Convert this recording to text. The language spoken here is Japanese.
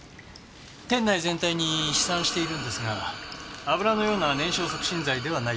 店内全体に飛散しているんですが油のような燃焼促進剤ではないようですね。